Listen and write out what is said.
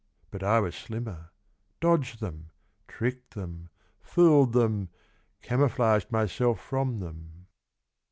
But I was slimmer,— Dodged them, tricked them, Fooled them, camouflaged Myself from them.